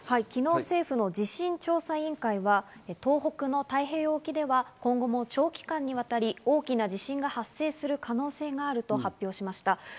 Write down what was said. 昨日、政府の地震調査委員会は東北の太平洋沖では今後も長期間にわたり大きな地震が発生する可能性があると発表しました。